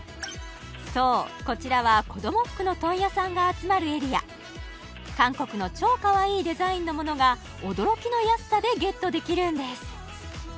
そうこちらは子ども服の問屋さんが集まるエリア韓国の超かわいいデザインのものが驚きの安さでゲットできるんです